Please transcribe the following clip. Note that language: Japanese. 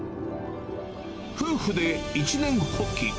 夫婦で一念発起。